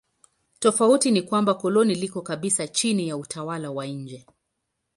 Tofauti ni kwamba koloni liko kabisa chini ya utawala wa nje.